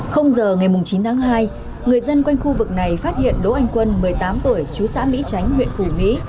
giờ ngày chín tháng hai người dân quanh khu vực này phát hiện đỗ anh quân một mươi tám tuổi chú xã mỹ tránh huyện phủ mỹ